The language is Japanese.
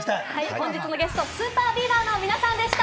本日のゲスト、ＳＵＰＥＲＢＥＡＶＥＲの皆さんでした！